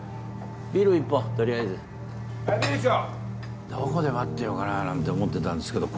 ビール１本とりあえずはいビール１丁どこで待ってようかななんて思ってたんですけど